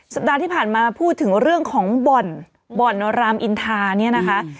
สัปดาห์ที่ผ่านมาพูดถึงเรื่องของบ่อนบ่อนรามอินทาเนี่ยนะคะ